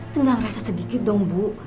tengah merasa sedikit dong bu